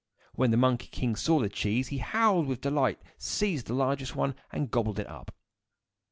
When the Monkey King saw the cheese, he howled with delight, seized the largest one, and gobbled it up.